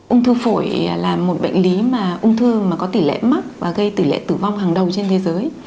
ung thư phổi là một bệnh lý mà ung thư có tỷ lệ mắc và gây tỷ lệ tử vong hàng đầu trên thế giới